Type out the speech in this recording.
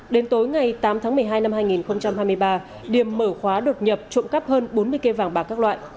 đến tối ngày tám tháng một mươi hai năm hai nghìn hai mươi ba điểm mở khóa đột nhập trộm cắp hơn bốn mươi cây vàng bạc các loại